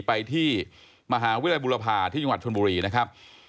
ไปที่มหาวิทยาลัยบุรพาที่จังหวัดชนบุรีนะครับ